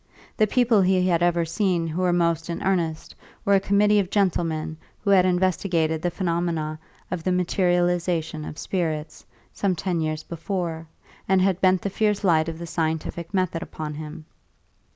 The people he had ever seen who were most in earnest were a committee of gentlemen who had investigated the phenomena of the "materialisation" of spirits, some ten years before, and had bent the fierce light of the scientific method upon him.